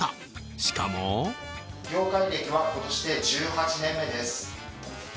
しかも業界歴は今年で１８年目です